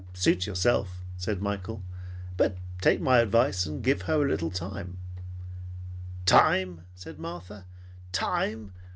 "Suit yourself," said Michael; "but take my advice and give her a little time." "Time!" said Martha. "Time!